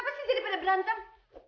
apa sih jadi pada berantem